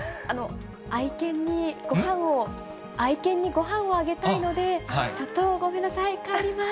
愛犬にごはんを、愛犬にごはんをあげたいので、ちょっとごめんなさい、帰ります。